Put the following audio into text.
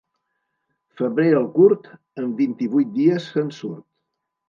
Febrer el curt, amb vint-i-vuit dies se'n surt.